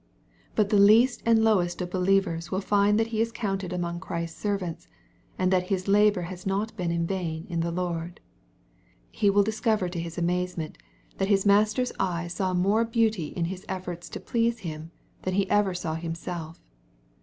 But the least and lowest of believers will find that he is counted among Christ's servants, and that his labour has not been ic vain in the Lord. He will discover to his amazement, that MATTHEW, CHAP. XXV. 389 liis Master's eye saw more beauty in his efforts to please Him, than he ever saw himself.